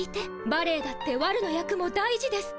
バレエだってわるの役も大事です。